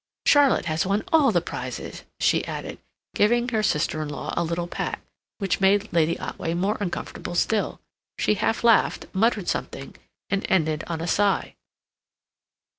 Charlotte has won all the prizes," she added, giving her sister in law a little pat, which made Lady Otway more uncomfortable still. She half laughed, muttered something, and ended on a sigh.